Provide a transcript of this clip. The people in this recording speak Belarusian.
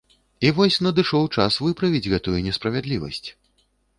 І вось, надышоў час выправіць гэтую несправядлівасць.